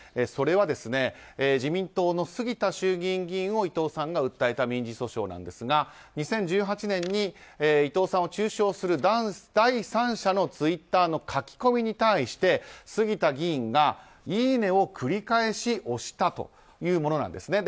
それは自民党の杉田衆議院議員を伊藤さんが訴えた民事訴訟ですが２０１８年に伊藤さんを中傷する第三者のツイッターの書き込みに対して杉田議員がいいねを繰り返し押したというものです。